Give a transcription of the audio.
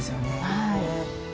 はい。